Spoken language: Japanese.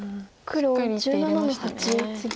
しっかり１手入れましたね。